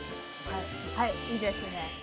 はいいいですね。